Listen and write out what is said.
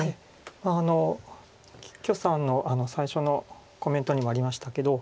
許さんの最初のコメントにもありましたけど。